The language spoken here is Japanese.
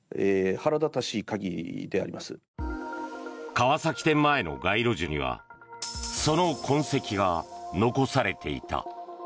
川崎店前の街路樹にはその痕跡が残されていた。